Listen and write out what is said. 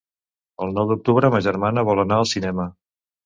El nou d'octubre ma germana vol anar al cinema.